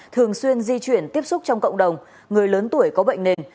thường xuyên di chuyển tiếp xúc trong cộng đồng người lớn tuổi có bệnh nền